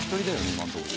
今のところ。